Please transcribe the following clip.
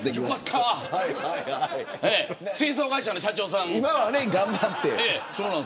清掃会社の社長さん。